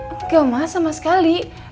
enggak mas sama sekali